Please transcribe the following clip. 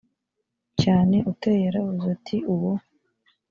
cyane uteye yaravuze ati uwo